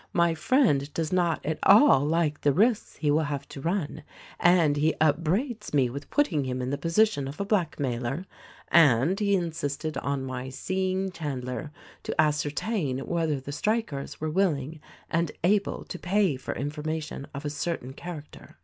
My friend does not at all like the risks he will have to run, and he upbraids me with putting him in the position of a blackmailer, and he insisted on my seeing Chan dler to ascertain whether the strikers were willing and able to pay for information of a certain character.